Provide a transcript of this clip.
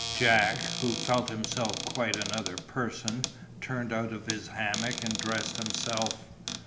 Jack, who felt himself quite another person, turned out of his hammock and dressed himself.